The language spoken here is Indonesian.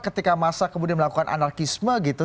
ketika massa melakukan anakisme gitu